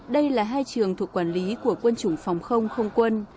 đây là hai trường thuộc quản lý của quân chủng phòng không không quân